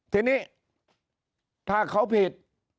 ทีนี้ถ้าเขาผิด